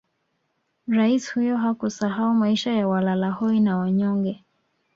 Raisi huyo hakusahau maisha ya walalahoi na wanyonge